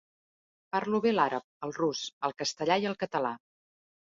Parlo bé l'àrab, el rus, el castellà i el català.